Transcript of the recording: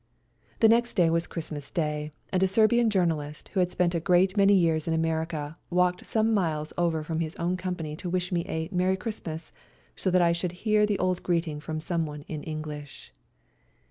The next day was Christmas Day, and a Serbian journalist who had spent a great many years in America walked some miles over from his own company to wish me a " Merry Christmas," so that I should hear the old greeting from someone in English.